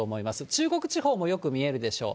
中国地方もよく見えるでしょう。